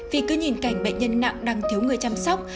vì cứ nhìn cảnh bệnh nhân nặng đang thiếu người chăm sóc